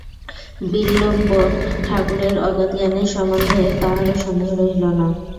বিল্বন ঠাকুরের অগাধ জ্ঞানের সম্বন্ধে কাহারও সন্দেহ রহিল না।